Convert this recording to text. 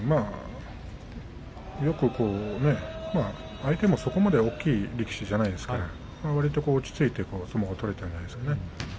相手も、そこまで大きい力士ではないですから落ち着いて相撲が取れたんではないでしょうかね。